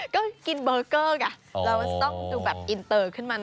ก็กินเบอร์เกอร์ก่ะเราต้องดูแบบอินเตอร์ขึ้นมาหน่อย